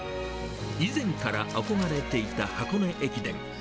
以前から憧れていた箱根駅伝。